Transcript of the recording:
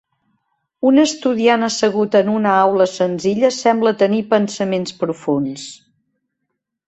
Un estudiant assegut en una aula senzilla sembla tenir pensaments profunds.